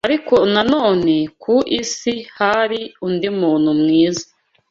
ariko nanone ku isi hari undi muntu mwiza.